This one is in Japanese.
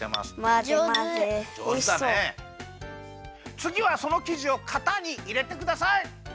つぎはそのきじをかたにいれてください。